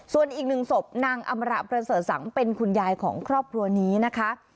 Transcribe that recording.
ส่วนอีกหนึ่งศพนางอำระประเสริฐสังเป็นคุณยายของครอบครัวนี้นะคะ